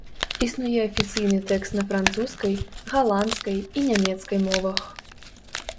Існуе афіцыйны тэкст на французскай, галандскай і нямецкай мовах.